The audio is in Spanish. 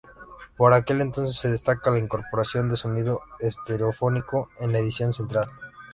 Por aquel entonces, se destaca la incorporación de sonido estereofónico en la edición central.